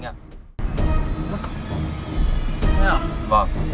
không cần phải gọi đâu